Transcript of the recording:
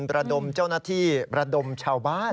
ระดมเจ้าหน้าที่ระดมชาวบ้าน